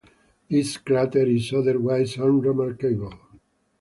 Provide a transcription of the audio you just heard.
This crater is otherwise unremarkable.